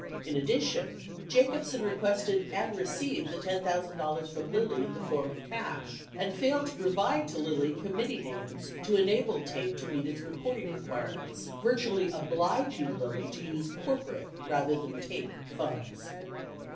73 In addition, J acobsen requested and received the $10,000 from Lilly in the form of cash and failed to provide to Lilly committee names to enable TAPE to meet its report ing requirements, virtually obliging Lilly to use corporate, rather than TAPE, funds.